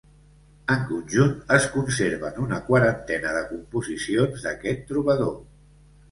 En conjunt, es conserven una quarantena de composicions d'aquest trobador.